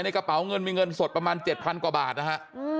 กระเป๋าเงินมีเงินสดประมาณ๗๐๐กว่าบาทนะฮะ